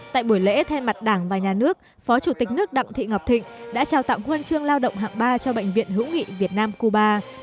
tại buổi lễ thay mặt đảng và nhà nước phó chủ tịch nước đặng thị ngọc thịnh đã trao tặng huân chương lao động hạng ba cho bệnh viện hữu nghị việt nam cuba